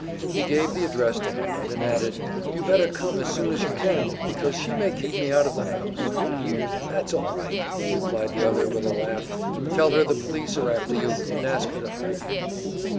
He gave the address to Hammett, and added, "You better come as soon as you can, because she may kick me out of the house." "That's all right," replied the other, with a laugh. "Tell her the police are after you, and ask her to hide you."